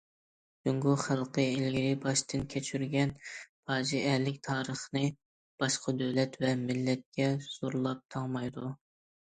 جۇڭگو خەلقى ئىلگىرى باشتىن كەچۈرگەن پاجىئەلىك تارىخنى باشقا دۆلەت ۋە مىللەتكە زورلاپ تاڭمايدۇ.